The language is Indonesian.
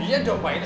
iya dong baik